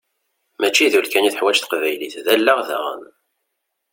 Mačči d ul kan i teḥwaǧ teqbaylit, d allaɣ daɣen!